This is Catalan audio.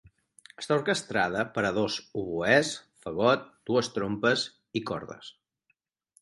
Està orquestrada per a dos oboès, fagot, dues trompes i cordes.